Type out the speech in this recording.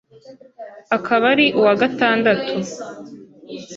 akaba ari uwa gatandatu